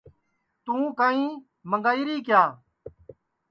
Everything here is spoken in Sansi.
توں کائیں منٚگائی ری کیا